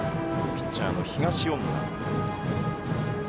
ピッチャーの東恩納。